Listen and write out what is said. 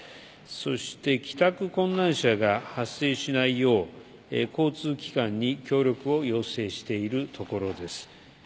そして、帰宅困難者が発生しないよう交通機関に協力を要請しているところです。